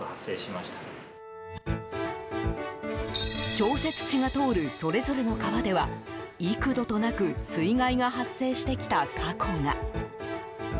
調節池が通るそれぞれの川では幾度となく水害が発生してきた過去が。